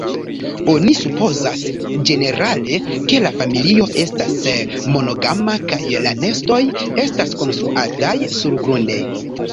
Oni supozas ĝenerale, ke la familio estas monogama, kaj la nestoj estas konstruataj surgrunde.